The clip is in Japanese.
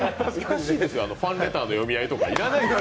ファンレターの読み合いとかいらないですから。